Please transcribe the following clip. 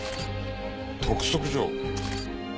督促状。